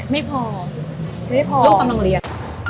ลูกอยู่โรงเรียน